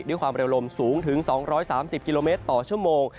ด้วยความเร็วลมสูงถึง๒๓๐กิโลเมตรต่อชั่วโมง